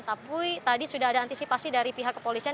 tapi tadi sudah ada antisipasi dari pihak kepolisian